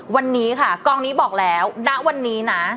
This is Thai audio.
วันนี้ค่ะกองนี้บอกแล้วณวันนี้นะ